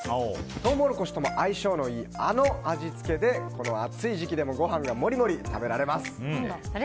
トウモロコシとも相性のいいあの味付けであの暑い時期でもご飯がモリモリ食べられます。